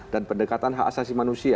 dan pendekatan hak asasi manusia